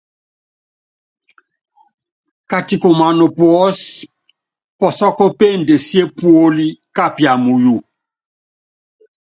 Katikumana púɔ pɔsɔ́kɔ péndesié puóli kapia muyu.